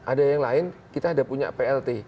ada yang lain kita ada punya plt